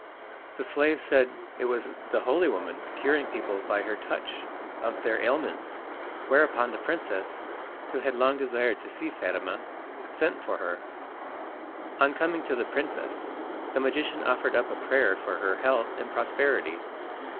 The slave said it was the holy woman, curing people by her touch of their ailments, whereupon the princess, who had long desired to see Fatima, sent for her. On coming to the princess the magician offered up a prayer for her health and prosperity.